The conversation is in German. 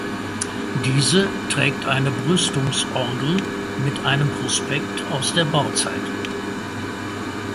Diese trägt eine Brüstungsorgel mit einem Prospekt aus der Bauzeit.